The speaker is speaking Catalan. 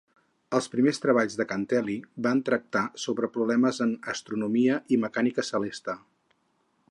Els primers treballs de Cantelli van tractar sobre problemes en astronomia i mecànica celeste.